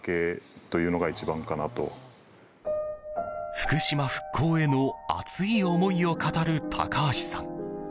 福島復興への熱い思いを語る高橋さん。